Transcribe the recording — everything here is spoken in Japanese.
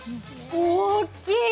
大きい！